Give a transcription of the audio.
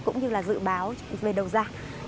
cũng như là dự báo về đầu ra